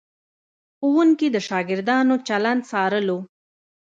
ښوونکي د شاګردانو چلند څارلو.